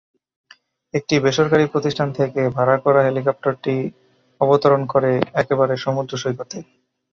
একটি বেসরকারি প্রতিষ্ঠান থেকে ভাড়া করা হেলিকপ্টারটি অবতরণ করে একেবারে সমুদ্রসৈকতে।